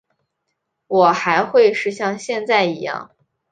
我还会是像现在一样